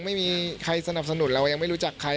ไม่มีใครสนับสนุนเรายังไม่รู้จักใคร